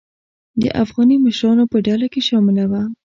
د افغاني مشرانو په ډله کې شامله وه.